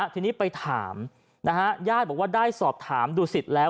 ทีนี้ไปถามญาติบอกว่าได้สอบถามดูสิตแล้ว